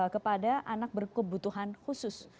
kepada anak berkebutuhan khusus